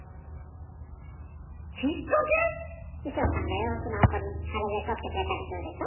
キッカケ⁉衣装さんが洋服のホコリあれで取ってくれたりするでしょ？